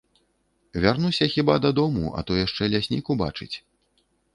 Вярнуся хіба дадому, а то яшчэ ляснік убачыць.